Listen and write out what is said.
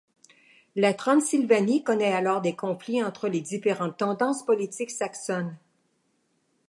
La Transylvanie connaît alors des conflits entre les différentes tendances politiques saxonnes.